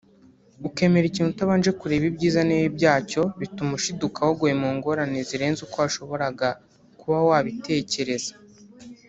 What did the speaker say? ukemera ikintu utabanje kureba ibyiza n’ibibi byacyo bituma ushiduka waguye mu ngorane zirenze uko washoboraga kuba wabitekereza